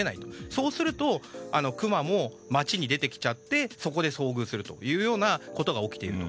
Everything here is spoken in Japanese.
そうするとクマも街に出てきちゃってそこで遭遇するということが起きていると。